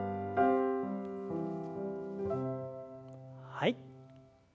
はい。